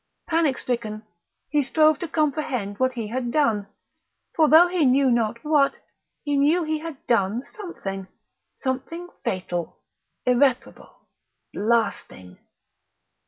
Panic stricken, he strove to comprehend what he had done. For though he knew not what, he knew he had done something, something fatal, irreparable, blasting.